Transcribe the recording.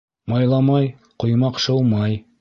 Майламай, ҡоймаҡ шыумай.